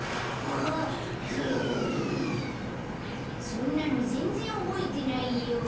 そんなのぜんぜんおぼえてないよ。